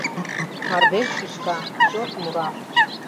Мардеж шӱшка, чот мура